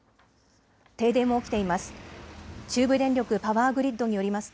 停電も起きています。